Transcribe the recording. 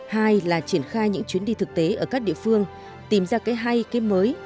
hai là triển khai những chuyến đi thực tế ở các địa phương tìm ra cái hay cái mới